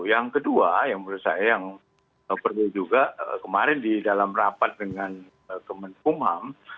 yang kedua yang menurut saya yang perlu juga kemarin di dalam rapat dengan kemenkumham